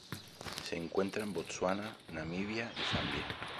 Se encuentra en Botsuana, Namibia y Zambia.